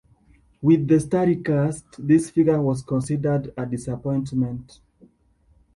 With the starry cast, this figure was considered a disappointment.